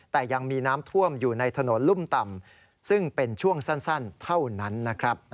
แต่ยังมีน้ำท่วมอยู่ในถนนลุ่มต่ำซึ่งเป็นช่วงสั้นเท่านั้นนะครับ